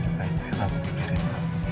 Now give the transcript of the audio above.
juga itu yang lama dipikirin